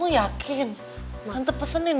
jadi lu ngancem gue nih